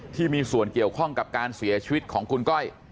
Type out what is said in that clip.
ที่มีส่วนเกี่ยวข้องกับการเสียชีวิตของคุณก้อย